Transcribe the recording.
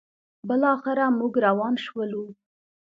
بالاخره موږ روان شولو: